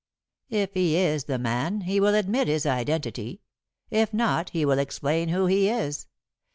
If he is the man he will admit his identity, if not, he will explain who he is.